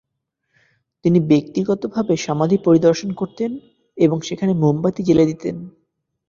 তিনি ব্যক্তিগতভাবে সমাধি পরিদর্শন করতেন এবং সেখানে মোমবাতি জ্বেলে দিতেন।